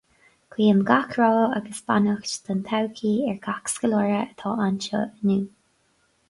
Guím gach rath agus beannacht don todhchaí ar gach scoláire atá anseo inniu.